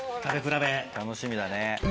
楽しみだね。